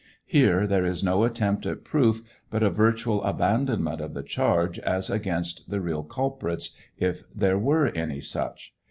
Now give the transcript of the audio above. Here there is no attempt at proof, but a virtual abandonment of the charge as against the real culprits, if there were any such.